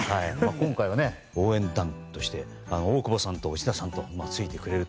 今回は応援団として大久保さんと内田さんがついてくれる